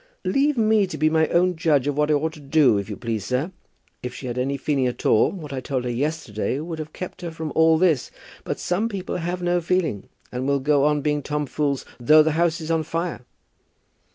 "Leave me to be my own judge of what I ought to do, if you please, sir. If she had any feeling at all, what I told her yesterday would have kept her from all this. But some people have no feeling, and will go on being tomfools though the house is on fire."